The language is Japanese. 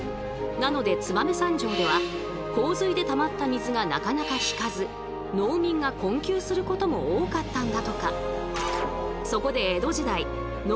なので燕三条では洪水でたまった水がなかなか引かず農民が困窮することも多かったんだとか。